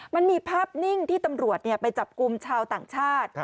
มันมีภาพนิ่งที่ตำรวจไปจับกลุ่มชาวต่างชาติ